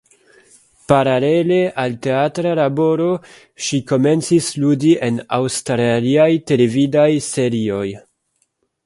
Paralele al teatra laboro, ŝi komencis ludi en aŭstraliaj televidaj serioj.